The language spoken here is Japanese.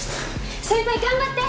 先輩頑張って！